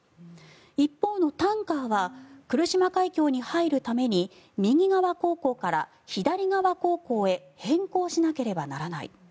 一方のタンカーは来島海峡に入るために右側航行から左側航行へ変更しなければならない。